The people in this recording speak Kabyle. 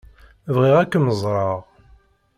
Bɣiɣ ad kem-ẓṛeɣ.